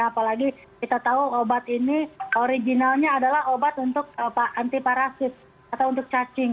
apalagi kita tahu obat ini originalnya adalah obat untuk antiparasit atau untuk cacing